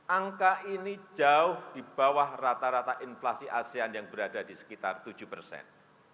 angka ini jauh di bawah rata rata inflasi asean yang berada di sekitar tujuh persen